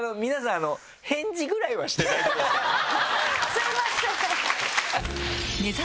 すいません。